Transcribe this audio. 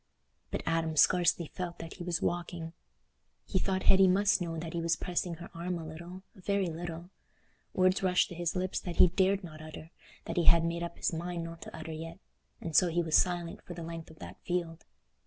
But Adam scarcely felt that he was walking. He thought Hetty must know that he was pressing her arm a little—a very little. Words rushed to his lips that he dared not utter—that he had made up his mind not to utter yet—and so he was silent for the length of that field.